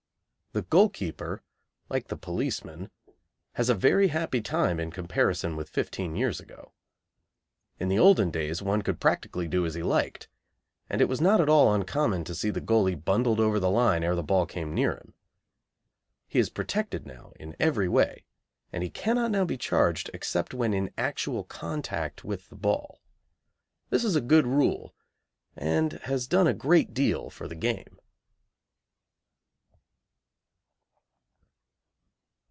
The goalkeeper, like the policeman, has a very happy time in comparison with fifteen years ago. In the olden days one could practically do as he liked, and it was not at all uncommon to see the goalie bundled over the line ere the ball came near him. He is protected now in every way, and he cannot now be charged except when in actual contact with the ball. This is a good rule, and has done a great deal for the game.